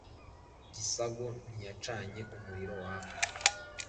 Gisago ntiyacanye umuriro waka